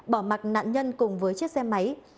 bỏ mặt nạn nhân cùng với chiếc xe máy